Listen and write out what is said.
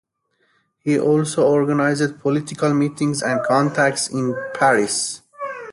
He also organized political meetings and contacts in Paris.